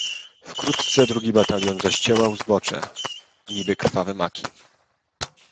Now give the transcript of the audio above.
"Wkrótce drugi batalion zaściełał zbocze, niby krwawe maki."